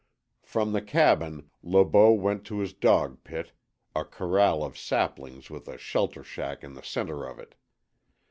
From the cabin Le Beau went to his dog pit, a corral of saplings with a shelter shack in the centre of it.